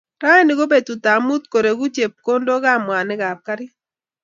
Raini ko betut ab muut koreku chepkondok ab mwanik ab kariit